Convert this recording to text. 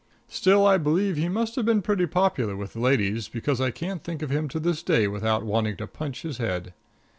Still I believe he must have been pretty popular with the ladies, because I can't think of him to this day without wanting to punch his head.